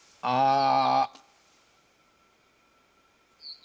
ああ。